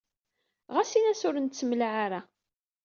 Ɣas in-as ur nettemlaɛa ara.